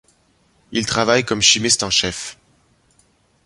Il travaille comme chimiste en chef.